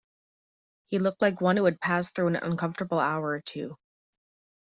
He looked like one who had passed through an uncomfortable hour or two.